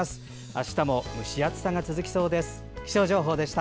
あしたも蒸し暑さが続きそうです。